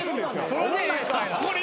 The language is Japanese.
それ。